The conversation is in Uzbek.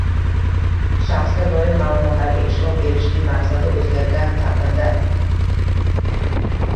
Shaxsga doir ma’lumotlarga ishlov berishning maqsadi o‘zgargan taqdirda